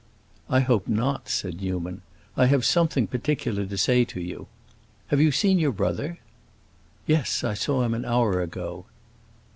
"I hope not," said Newman. "I have something particular to say to you. Have you seen your brother?" "Yes, I saw him an hour ago."